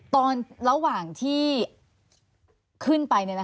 ระหว่างที่ขึ้นไป